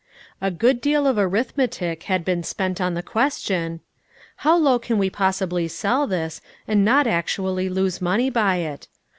A good deal of arithmetic had been spent on the question : How low can we possibly sell this, and not actually lose money by it?